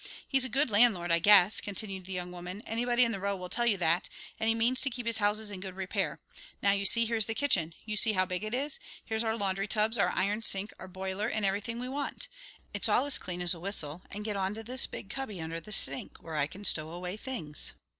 "He's a good landlord, I guess," continued the young woman; "anybody in the row will tell you that, and he means to keep his houses in good repair. Now you see, here's the kitchen. You see how big it is. Here's our laundry tubs, our iron sink, our boiler, and everything we want. It's all as clean as a whistle; and get on to this big cubby under the sink where I can stow away things."